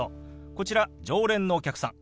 こちら常連のお客さん。